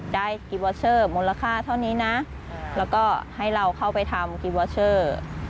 กิวอเชอร์มูลค่าเท่านี้นะแล้วก็ให้เราเข้าไปทำกิวอเชอร์